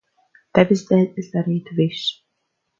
Tevis dēļ es darītu visu.